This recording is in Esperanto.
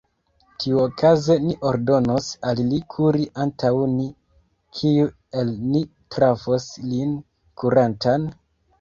Tiuokaze ni ordonos al li kuri antaŭ ni: kiu el ni trafos lin kurantan?